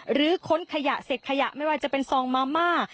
ค้นขยะเสร็จขยะไม่ว่าจะเป็นซองมาม่า